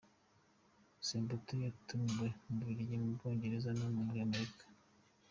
Samputu yatumiwe mu Bubiligi, mu Bwongereza no muri america